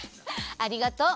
ありがとう。